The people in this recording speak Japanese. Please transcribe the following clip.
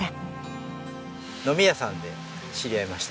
飲み屋さんで知り合いました。